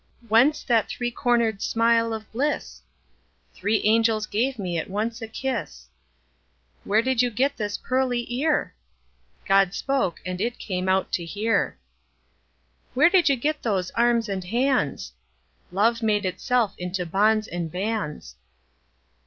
Whence that three corner'd smile of bliss? Three angels gave me at once a kiss. Where did you get this pearly ear? God spoke, and it came out to hear. Where did you get those arms and hands? Love made itself into bonds and bands.